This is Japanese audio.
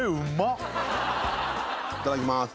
いただきます